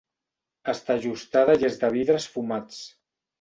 Està ajustada i és de vidres fumats.